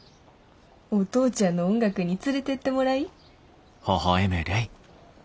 お父ちゃんの音楽に連れてってもらい。